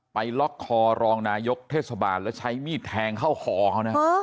ล็อกคอรองนายกเทศบาลแล้วใช้มีดแทงเข้าคอเขานะ